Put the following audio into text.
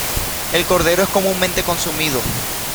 El cordero es comúnmente consumido.